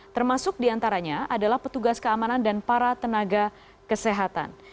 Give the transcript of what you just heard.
termasuk diantaranya adalah petugas keamanan dan para tenaga kesehatan